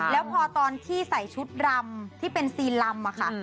แล้วพอตอนที่ใส่ชุดรำที่เป็นซีนลำอะค่ะ